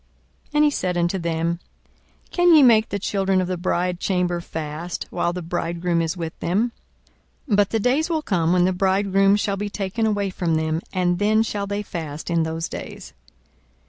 42:005:034 And he said unto them, Can ye make the children of the bridechamber fast, while the bridegroom is with them? 42:005:035 But the days will come, when the bridegroom shall be taken away from them, and then shall they fast in those days.